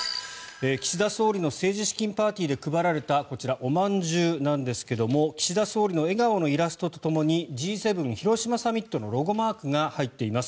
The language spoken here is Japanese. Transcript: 岸田総理の政治資金パーティーで配られたこちらおまんじゅうですが岸田総理の笑顔のイラストとともにＧ７広島サミットのロゴマークが入っています。